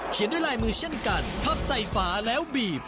ด้วยลายมือเช่นกันพับใส่ฝาแล้วบีบ